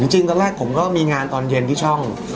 จริงตอนแรกผมก็มีงานตอนเย็นที่ช่อง